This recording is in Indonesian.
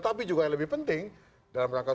tapi juga yang lebih penting dalam rangka